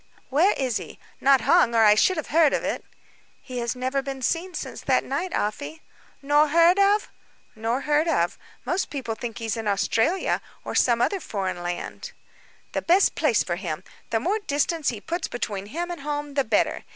"Where is he? Not hung, or I should have heard of it." "He has never been seen since that night, Afy." "Nor heard of?" "Nor heard of. Most people think he is in Australia, or some other foreign land." "The best place for him; the more distance he puts between him and home, the better.